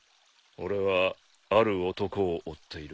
俺はある男を追っている。